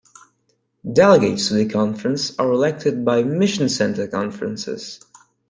Delegates to the conference are elected by Mission Center conferences.